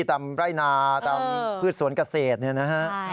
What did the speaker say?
ตามไร่นาตามพืชสวนเกษตรเนี่ยนะฮะ